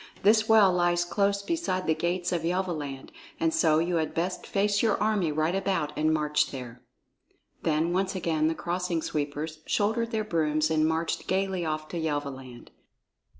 This well lies close beside the gates of Yelvaland, and so you had best face your army right about and march there." Then once again the Crossing Sweepers shouldered their brooms and marched gayly off to Yelvaland.